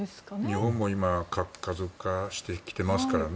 日本も今核家族化してきてますからね。